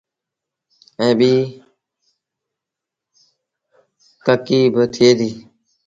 ائيٚݩ ٻيٚ ڪڪي با ٿئي ديٚ۔